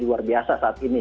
luar biasa saat ini